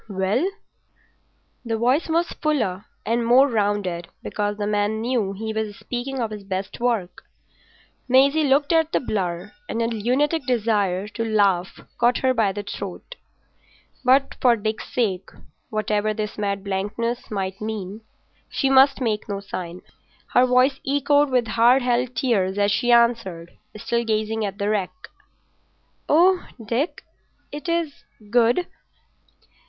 "Well?" The voice was fuller and more rounded, because the man knew he was speaking of his best work. Maisie looked at the blur, and a lunatic desire to laugh caught her by the throat. But for Dick's sake—whatever this mad blankness might mean—she must make no sign. Her voice choked with hard held tears as she answered, still gazing at the wreck— "Oh, Dick, it is good!"